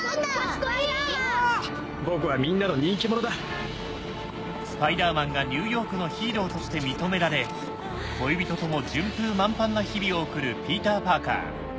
僕はみんなの人気者だスパイダーマンがニューヨークのヒーローとして認められ恋人とも順風満帆な日々を送るピーター・パーカー。